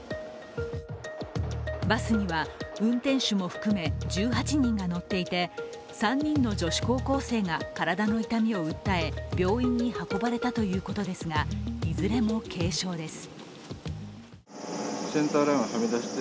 バスには運転手も含め１８人が乗っていて３人の女子高校生が体の痛みを訴え病院に運ばれたということですがいずれも軽傷です。